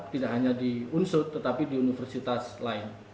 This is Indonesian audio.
tidak hanya di unsur tetapi di universitas lain